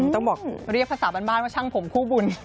ต้องบอกเรียกภาษาบ้านว่าช่างผมคู่บุญ